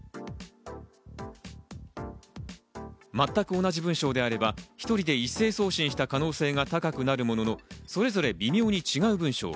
全く同じ文章であれば１人で一斉送信した可能性が高くなるものの、それぞれ微妙に違う文章。